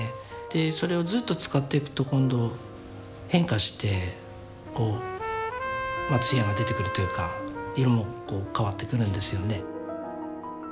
でそれをずっと使っていくと今度変化してこう艶が出てくるというか色もこう変わってくるんですよね。